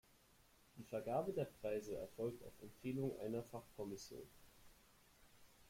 Die Vergabe der Preise erfolgt auf Empfehlung einer Fachkommission.